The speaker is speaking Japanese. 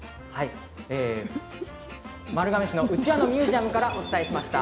丸亀市うちわのミュージアムからお伝えしました。